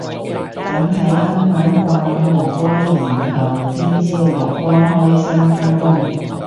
等睇今晚掛八號然後聽朝落波開心返工